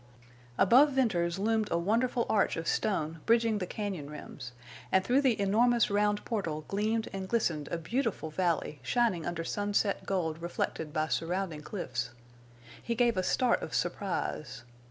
Above Venters loomed a wonderful arch of stone bridging the cañon rims, and through the enormous round portal gleamed and glistened a beautiful valley shining under sunset gold reflected by surrounding cliffs. He gave a start of surprise.